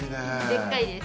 でっかいです。